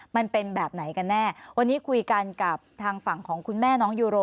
มันเป็นแบบไหนกันแน่วันนี้คุยกันกับทางฝั่งของคุณแม่น้องยูโร